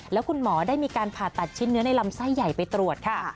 แล้วคุณหมอได้มีการผ่าตัดชิ้นเนื้อในลำไส้ใหญ่ไปตรวจค่ะ